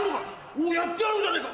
おぉやってやろうじゃねえか！